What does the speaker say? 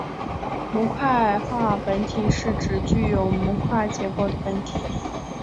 模块化本体是指具有模块结构的本体。